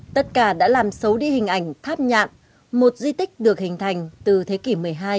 tất cả đã làm xấu đi hình ảnh tháp nhạc một di tích được hình thành từ thế kỷ một mươi hai